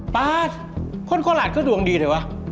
ป๊าคนขวาหลาดก็ดวงดีเลยวะ